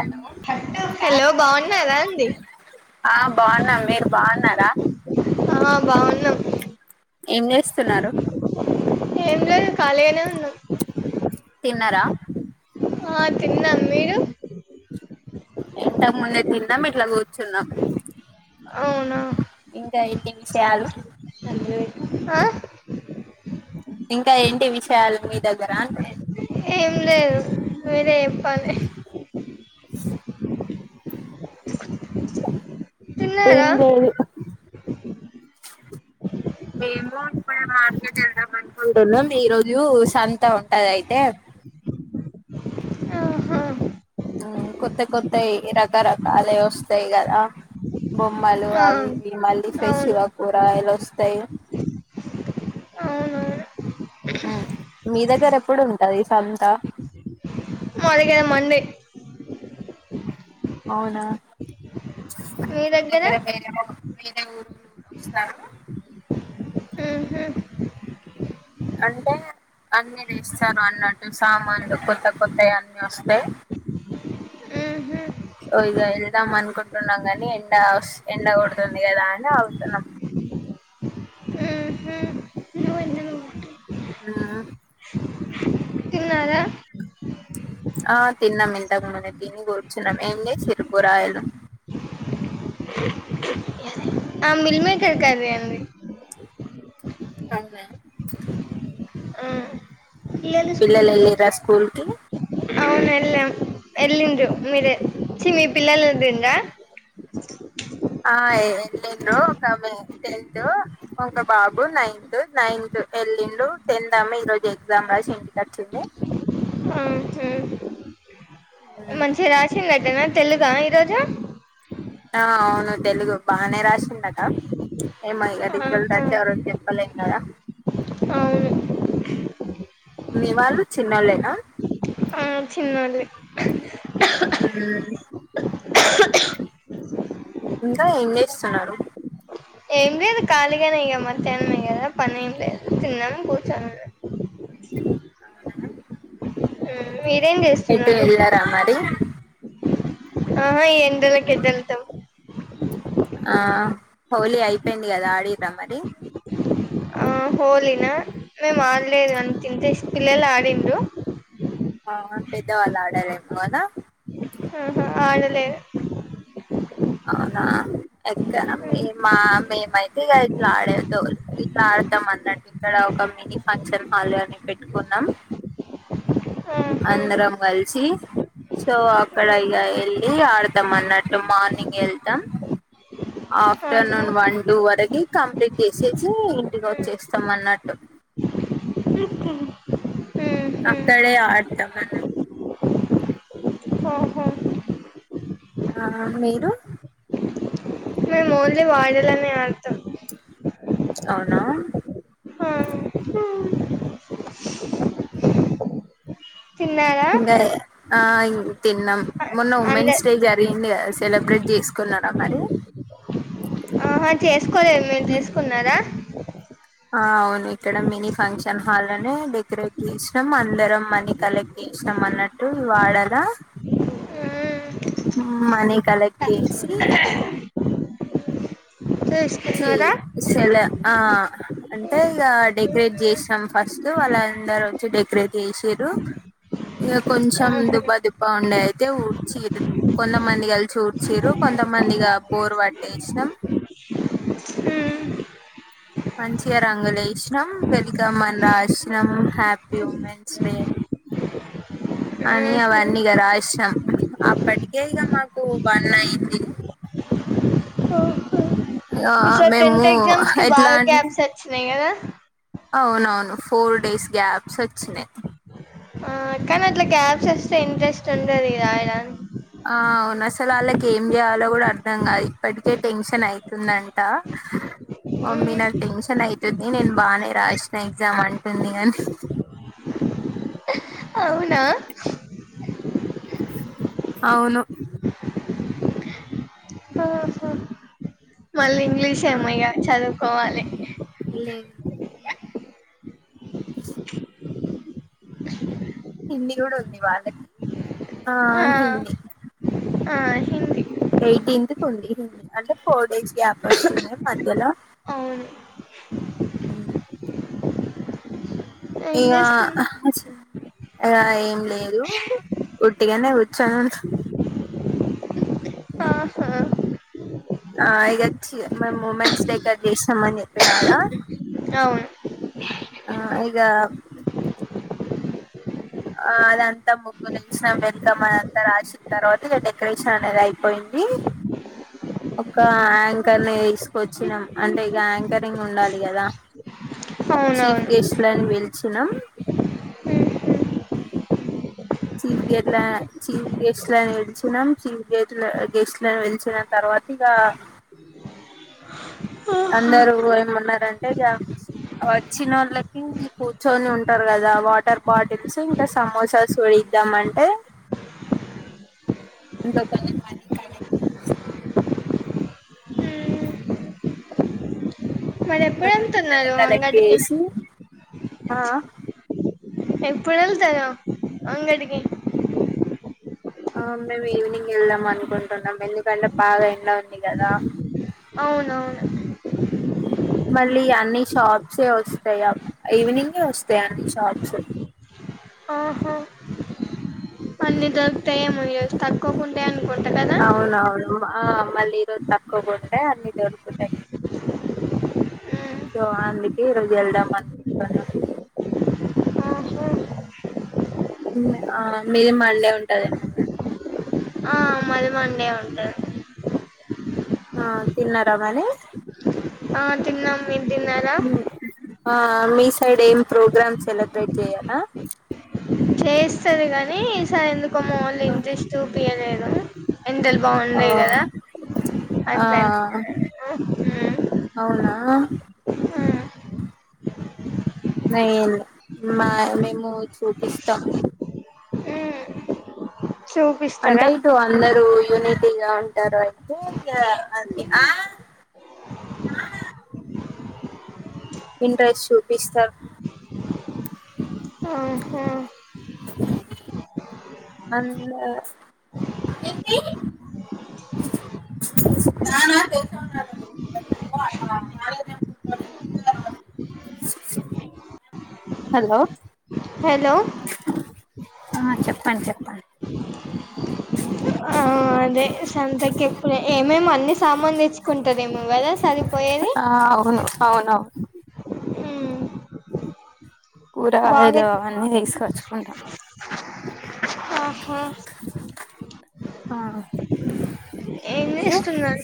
Hello hello బావున్నారా అండి ఆ బావున్నా మీరు బావున్నారా? ఆ బావున్నాం ఏం చేస్తున్నారు? ఏం లేదు కానీ గానె ఉన్నాం తిన్నారా ఆ తిన్నా మీరు ఇంతకు ముందే తిన్నాం ఇట్లా గూర్చున్నాం అవునా ఇంకా ఏంటి విషయాలు ఆ ఇంకా ఏంటి విషయాలు మీ దగ్గర అంటు ఏం లేదు మీరే ఎప్పాలె ఏం తిన్నారా లేదు మేము ఇప్పుడే మార్కెట్ వెళ్దాం అనుకుంటున్నా ఈ రోజు సంత ఉంటది అయితే ఆహా అవును కొత్త కొత్తవి రక రకాలవి వస్తయ్ గదా బొమ్మలు ఆ అవి ఇవి మళ్ళీ ఫ్రెషు అవును గా కూరగాయలు వస్ త్తయొ అవునవును ఉ మీ దగ్గర ఎప్పుడు ఉంటది సంత మా దగ్గర మండే అవునా మా దగ్గర వేరే రోజు వేరే ఊరుళ్ళొ వస్తారు ఉహు అంటే అన్ని దెస్తారు అన్నట్టు సామాన్లు కొత్త కొత్తవి అన్ని వస్తాయ్ ఉహు సో ఇగ వెళ్దాం అనుకుంటున్నాం కానీ ఎండ వస్ ఎండ కొడుతుంది కదా అని ఆగుతున్నాం ఉహు నా తిన్నారా ఆ తిన్నాం ఇంతక ముందే తిని గూర్చున్నాం ఏం దెస్తిరి కూరగాయలు ఆ మిల్ మేకర్ కర్రీ అండి అవునా పిల్లలు ఎళ్ళిర్ర స్కూల్ కి అవును ఎల్ళాం ఎల్లిండ్రు మీర చి మీ పిల్లలు ఎళ్ళిండ్రా ఆ ఏ ఎల్లిండ్రు ఒక ఆమె టెన్త్ ఒక బాబు నైన్తు నైన్తు ఎళ్లిండు టెన్త్ ఆమె ఈ రోజు ఎగ్జామ్ రాసి ఇంటికొచ్చింది ఆహా మంచిగా రాసిందట్టనా తెలుగా ఈరోజు ఆ అవును తెలుగు బానే రాసిందట ఏమో ఇగ రిజల్ట్ ఆహా వచ్చే వరకు జొప్ ప్పలేమ్ గదా అవును మీవాళ్ళు చిన్నోళ్ళేనా ఆ చిన్నోల్లే హూమ్ ఇంకా ఏం జేస్తన్నారు ఏం లేదు కాలిగానే ఇగ మద్యానం గదా పని ఏం లేదు తిన్నము కూర్చొని హూమ్ మీరేం ఎటు జెస్తున్నారు వెళ్ళారా మరి ఆహా ఈ ఎండలకి ఎటెల్తాం ఆ హోలీ అయిపోయింది గదా ఆడిర్రా మరి ఆ హోలీనా మేం ఆడలేదు అంత ఇంట్రెస్ట్ పిల్లలు ఆడిండ్రు ఆ పెద్దవాళ్ళు ఆడారేమో కదొ ఆహ ఆడలేదు అవునా ఎక్క మ మా మేమైతే ఇగా ఇట్లా ఆడేటోల్లు ఇట్లా పెద్దమ్మ అన్నట్టు ఇక్కడ ఒక మినీ ఫంక్షన్ హాల్ అని పెట్టుకున్నాం ఆహా ఆహా అందరం గలిసి సో అక్కడ ఇగ వెళ్ళి ఆడతాం అన్నట్టు మార్నింగే వెళ్తాం ఆ, ఆఫ్టర్నూన్ వన్ టూ వరకు కంప్లీట్ చేసేసి ఇంటికి వచ్చేస్తాం అన్నట్టు ఉమ్, ఉమ్, అక్కడే ఆడతామన్న ఓహో ఆ మీరు మోన్లీ వాడలనే ఆర్థం అవునా ఆ తిన్నారా ఇంకా ఆ తిన్నాం మొన్న అంద ఉమెన్స్ డే జరిగింది సెలబ్రేట్ చేసుకున్నార మరి ఆహా చేసుకోలేదు మీరు తీసుకున్నారా ఆ అవును ఇక్కడ మినీ ఫంక్షన్ హాల్ అనే డెకరేట్ చేసినాం అందరం మనీ కలెక్ట్ చే ఇష్టం అన్నట్టు వాడలాా మనే కలెక్ చేసి చే చేసుకున్నారా సల ఆ అంటే ఇక డెకరేట్ చేసాం ఫస్ట్ వాళ్ళందరు వచ్చి డెకరేట్ చేసి ఇక కొంచెం దుబ్బా దుబ్బ బాగుండే అయితే ఊడ్చీరు కొంతమంది కలిసి ఊడ్చీరు కొంతమందిగా బోరు పట్టేసాం అ మంచిగా రంగులే వసినాం వెల్కమ్ అని రాసినాం హ్యాపీ ఉమెన్స్ డే అని అవన్నీగా రాశాం అప్పటికే ఇక మాకు వన్ అయింది ఆ ఈసారి మేము టెన్త్ ఎగ్జామ్స్ కి ఎట్లా బాగా అంటే గ్యాప్స్ వచ్చినాయి కదా అవునవును ఫోర్ డేస్ గ్యాప్స్ వచ్చినాయిది ఆ కానీ అట్లా గ్యాప్స్ వస్తే ఇంట్రెస్ట్ ఉంటది రాా ఇలా ఆ అవును అసలు వాళ్ళకి ఏం చేయాలో కూడా అర్ధం కాదు ఇప్పటికే టెన్షన్ అవుతుందంట మమ్ మీ నాకు టెన్షన్ అవుతుంది నేను బానే రాసిన ఎగ్జామ్ అంటుంది అని అవునా అవును ఆహ మళ్ళీ ఇంగ్లీష్ ఆ, ఏమయ్యా చదువుకోవాలి లేదు లేదు. హిన్ని కూడా ఉంది వాళ్ళకి ఆ హిడి ఆ హిందీ ఎయిటీన్త్ కు ఉంది హిందీ అంటే ఫోర్ డేజ్ గ్యాప్ వస్తున్నాయి మధ్యలో అవును హ ఇంగ్లీష్ ఏకా అ ఏం లేదు ఒట్టిగానే కూర్చోను ఆహా ఆ ఇకచ్చ మేము ఉమెన్స్ డె కరట్ చేసాం అని చెప్పినారా అవును ఆ ఇగా ఆ అదంతా ముగ్గు తెసినాం వెల్కమ్ అదంతా రాసిన తర్వాత ఇక డెకరేషన్ అనేది అయిపోయింది ఒక యాంకర్ ని తీసుకొచ్చినాం అంటే ఇక యాంకరింగ్ ఉండాలి కదా చీఫ్ అవునవును గెస్ట్లలను వెలిచినం చీఫ్ గేట్ చీఫ్ గెస్ట్ వెలిచినాం చీఫ్ గేట్ గెస్ట్ వెలిచిన తర్వాత పటిగా అందరూ ఏమన్నారంటే వచ్చిన వాళ్ళకి కూర్చొని ఉంటారు కదా వాటర్ బాటిల్స్ ఇంకా సమోసాస్ ఇద్దామంటే ఇంకా కొన్ని మనీ కనెక్ట్ అయసి మరి ఇంకా ఎప్పుడు కొన్ని మనీ వెళ్తున్నారు కలెక్ట్ అంగడికి చేేసి ఆ ఎప్పుడు వెళ్తారు అంగడికి ఆ మేము ఈవినింగ్ వెళ్దాం అనుకుంటున్నాము ఎందుకంటే బాగా ఎండ గ ఉంది కదా అవునవును మళ్ళీ అన్ని షాప్స్ వస్తాయి ఈవినింగే వస్తాయి అన్ని షాప్స్ ఆహ అన్నీ దొరుకతాయి ఏమో ఈరోజు కనుకోకుండా అవునవును ఆ మళ్ళ ఇరో తక్కువకోతే అన్నీ దొరుకుతాయి మ్మ్. సో అందుకే ఈ రోజు వెళ్దాం అనుకుంటున్నా ఆహా ఆ ఎవెరీ మండే ఉంటఏమ్మా కద అ మళ్ళీ మండే ఉంటది ఆ తిన్నారా మరి ఆ తిన్నాం మీరు తిన్నారా మ్, ఆ మీ సైడ్ ఏం ప్రోగ్రామ్ సెలబ్రేట్ చేయరా చేస్తారు కాని ఈసారి ఎందుకో మార్నింగ్ ఆ ఇంతస్తూ పియలేదు ఇంతలు బాగున్నాయి ఆ కదా ఆ అట్లా ఆ నయం మా మేము చూపిస్తాం మ్మ్. అంటే చూపిస్తారా ఇటు అందరుూ యనీక్ టిగా ఉంటారు అయితే ఇ ఇంట్రెస్ట్ చూపిస్తారు ఆహా [inaudible] అంద [unintelligible] [unintelligible] హలో హలో ఆ చెప్పండి చెప్పండి ఆ అదే సంతకెప్పుడు ఏమే అ సామాన్ తెచ్చుకుంటదేమో కదా సరిపోయేది ఆ అవును అవునవును హ్మ్మ్ కూరగాయలు అవన్నీ తీసుకొచ్చుకుంటాం ఆహా ఆ మీరు ఏంచేస్తున్నారు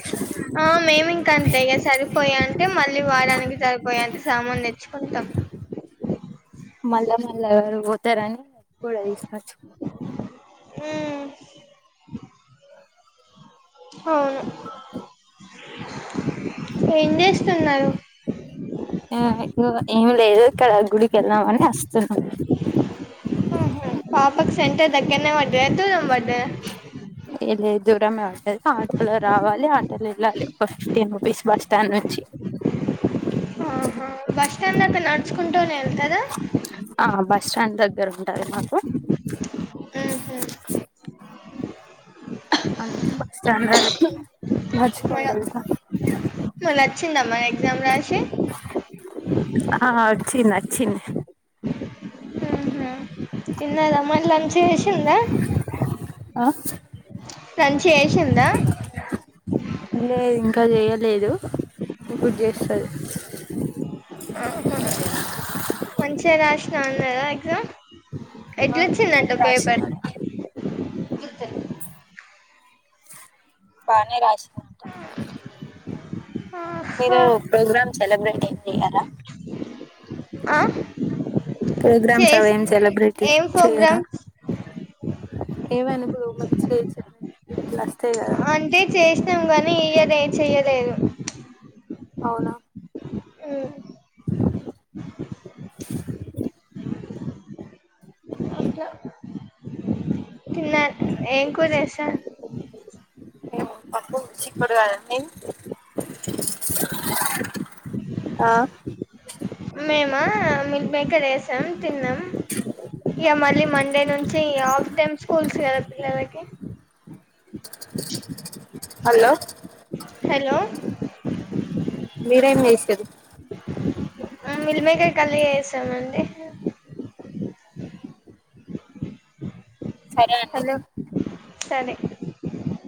ఆ మేమి ఇంకా అంతగ సరి పోయా అంటే మళ్ళీ వారానికి సరిపోయా అంటే సామాను తెచ్చుకుంటాం మళ్ళా మళ్ళా ఎవరు పోతారని కూడా తీసుకొచ్చుకుంటాం హ్మ్మ్ అవును ఏం చేస్తున్నారు ఏమి లేదు ఇక్కడ గుడికి వెళ్దామని వస్తున్నాం పక్ సెంటర్ దగ్నే వాడ దూ నంబడ ఏ లేదు దూరమే ఉంటది ఆటోలో రావాలి ఆటోలో వెళ్ళాలి టెన్ రూపీస్ బస్ స్టాన్ నుంచి బస్ స్టాండ్ అంత నడుచుకు ఆ బస్ స్టాండ్ దగ్గర ఉంటది మాకు ఆ హ్మ్ అందుకు బస్ స్టాండ్రికి నడుచుకునివేళ్తా వొచ్చింది అమ్మ ఎగ్జామ్ రాసి ఆ వచ్చింది వచ్చింది ఊహ్మ్మ్ చిన్నద మలా చేసిందా ఆ తన్ చేసిందా లేదు ఇంకా చేయలేదు ఇప్పుడు చేస్తుంది ఆహా మంచిగా రాసినావ ఎక్సమ్ ఆ మంచిగానే ఎట్లొచ్చిందంట పేపర్ రాస్తున్నారు గు బానే రాజ ఆ మీరు ప్రోగ్రామ్ సెలబ్రేట్ అయి చెయ్యారా ఆ ప్రోగ్రామ్స్ అవ చేస్ ఏం సెలబ్రేట్ ఏం చెయరా ప్రోగ్రామ్ ఏవ అనుభవ మంచి అంటే చేసినాం గానీ ఇయ్యద చెయ్యలేదు అవునా మ్మ్మ్మ్ తన్న ఏం కుదిసా మేము పప్పు చకుడు కదండి ఆ మేము మిల్క్ మేకర్ వేసాం తిన్నాం ఇక మళ్ళీ మండే నుంచి చె ఆఫ్ టైమ్ స్కూల్స్గాద పిలకి హలో హలో మీరన్న వసరి మిలిమక కళ చేసామండి సరే అండి హలో సరే